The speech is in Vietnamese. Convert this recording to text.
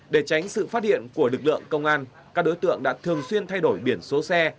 để tránh sự phát hiện của lực lượng công an các đối tượng đã thường xuyên thay đổi biển số xe